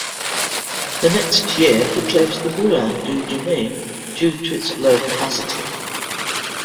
The next year he closed the Moulin du Domain due to its lower capacity.